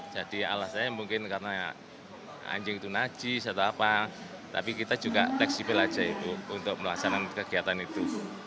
jadi alasannya mungkin karena anjing itu najis atau apa tapi kita juga fleksibel aja itu untuk melaksanakan kegiatan itu